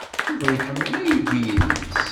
Yuba iḥemmel aydi-nnes.